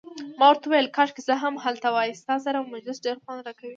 ما ورته وویل: کاشکي زه هم هلته وای، ستا سره مجلس ډیر خوند راکوي.